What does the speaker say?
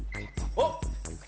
おっ。